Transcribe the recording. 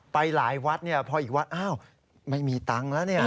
ไปหลายวัดพออีกวัดอ้าวไม่มีตังค์แล้วเนี่ย